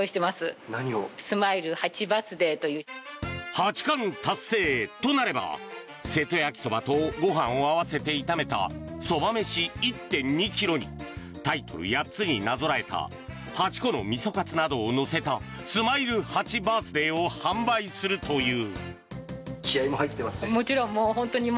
八冠達成となれば瀬戸焼きそばとご飯を合わせて炒めたそば飯１．２ｋｇにタイトル８つになぞらえた８個のみそカツなどを乗せたスマイル８バースデーを販売するという。